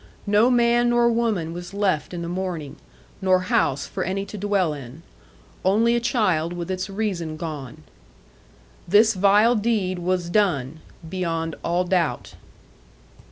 No man nor woman was left in the morning, nor house for any to dwell in, only a child with its reason gone.* *This vile deed was done, beyond all doubt.